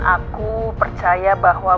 aku percaya bahwa